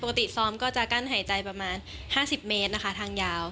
ซ้อมก็จะกั้นหายใจประมาณ๕๐เมตรนะคะทางยาว